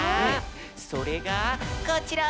それがこちら！